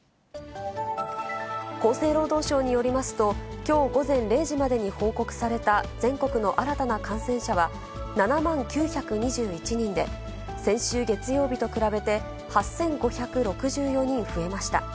厚生労働省によりますと、きょう午前０時までに報告された全国の新たな感染者は７万９２１人で、先週月曜日と比べて８５６４人増えました。